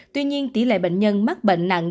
tuy nhiên tỷ lệ bệnh nhân mắc bệnh nặng